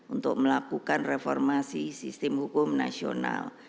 untuk melakukan reformasi sistem hukum nasional